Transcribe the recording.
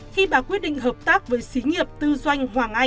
khi bà quyết định hợp tác với xí nghiệp tư doanh hoàng anh